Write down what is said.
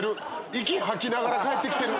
息吐きながら帰ってきてる。